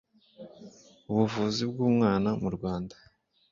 ubuvuzi bw umwana mu rwanda